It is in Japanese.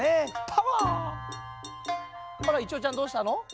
あらいてうちゃんどうしたの？